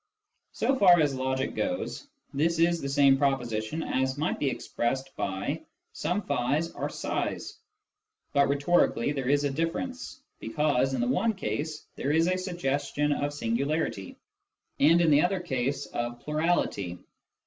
So far as logic goes, this is the same proposition as might be expressed by " some ^'s are ^t's "; but rhetorically there is a difference, because in the one case there is a suggestion of singularity, and in the other case of plurality.